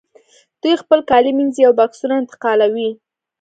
دوی خپل کالي مینځي او بکسونه انتقالوي